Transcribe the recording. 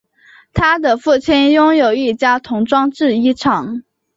他的父亲拥有一家童装制衣厂。